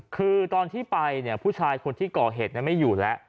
คือตอนที่ไปเนี่ยผู้ชายคนที่ก่อเหตุไม่อยู่แล้ว